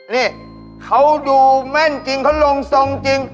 นี่เขาดูแม่นจริงเขาลงทรงจริง